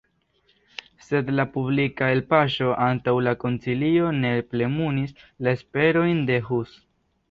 Sed la publika elpaŝo antaŭ la koncilio ne plenumis la esperojn de Hus.